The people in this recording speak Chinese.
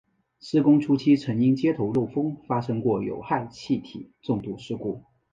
施工初期曾因接头漏风发生过有害气体中毒事故。